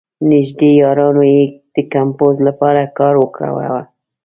نېږدې یارانو یې د کمپوز لپاره کار ورکاوه.